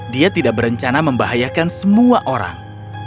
dia tidak berencana membahayakan semua orang